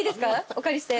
お借りして。